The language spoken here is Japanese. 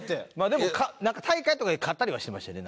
でも大会とかで勝ったりはしてましたよね